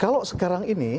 kalau sekarang ini